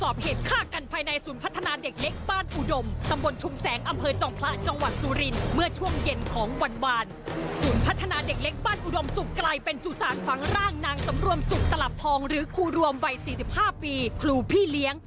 บ้านอุดวมศุกร์ไกลเป็นสู่ศาลฟังร่างนางตำรวมศุกร์ตลับพองหรือคู่รวมวัย๔๕ปีครูพี่เลี้ยง